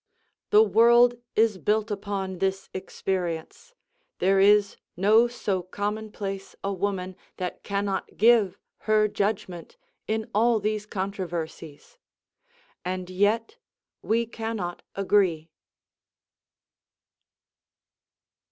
The world is built upon this experience; there is no so commonplace a woman that cannot give her judgment in all these controversies; and yet we cannot agree.